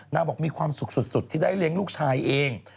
บอกมีความสุขสุดที่ได้เลี้ยงลูกชายเอง